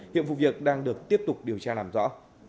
hiện vụ việc đang được tiếp tục điều tra làm rõ